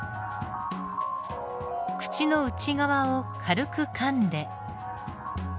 口の内側を軽くかんで。